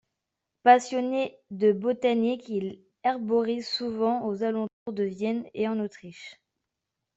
Passionné de botanique, il herborise souvent aux alentours de Vienne et en Autriche.